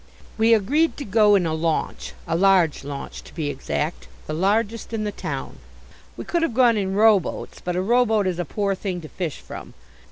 We agreed to go in a launch, a large launch to be exact, the largest in the town. We could have gone in row boats, but a row boat is a poor thing to fish from.